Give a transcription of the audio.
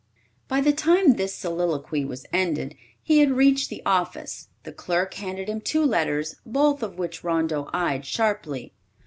By the time this soliloquy was ended, he had reached the office. The clerk handed him two letters, both of which Rondeau eyed sharply.